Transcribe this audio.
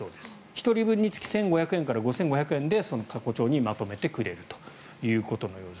１人分につき１５００円から５５００円ほどでその過去帳にまとめてくれるということのようです。